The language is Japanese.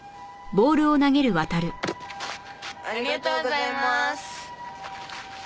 ありがとうございます。